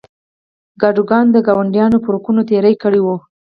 کادوګان د ګاونډیو پر حقونو تېری کړی و.